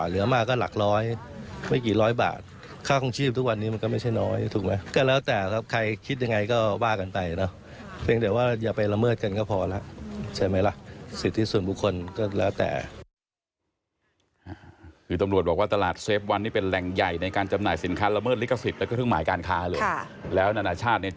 เหลือมาก็หลักร้อยไม่กี่ร้อยบาทค่าคลองชีพทุกวันนี้มันก็ไม่ใช่น้อยถูกไหมก็แล้วแต่ครับใครคิดยังไงก็ว่ากันไปเนอะเพียงแต่ว่าอย่าไปละเมิดกันก็พอแล้วใช่ไหมล่ะสิทธิส่วนบุคคลก็แล้วแต่คือตำรวจบอกว่าตลาดเซฟวันนี้เป็นแหล่งใหญ่ในการจำหน่ายสินค้าละเมิดลิขสิทธิ์หมายการค้าเลยแล้วนานาชาติเนี่ย